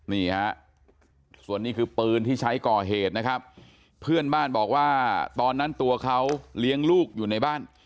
นี่ฮะส่วนนี้คือปืนที่ใช้ก่อเหตุนะครับเพื่อนบ้านบอกว่าตอนนั้นตัวเขาเลี้ยงลูกอยู่ในบ้าน